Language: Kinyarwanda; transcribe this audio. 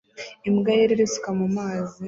Imbwa yera irisuka mu mazi